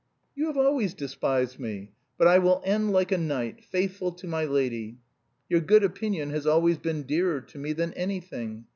"You have always despised me. But I will end like a knight, faithful to my lady. Your good opinion has always been dearer to me than anything.